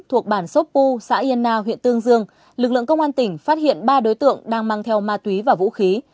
thuộc bản sốpu xã yên na huyện tương dương lực lượng công an tỉnh phát hiện ba đối tượng đang mang theo ma túy và vũ khí